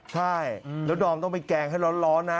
ใช่แล้วดอมต้องไปแกงให้ร้อนนะ